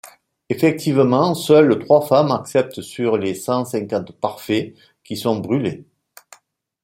Effectivement, seules trois femmes acceptent sur les cent cinquante Parfaits, qui sont brûlés.